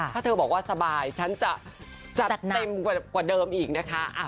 ถ้าเธอบอกว่าสบายฉันจะจัดเต็มกว่าเดิมอีกนะคะ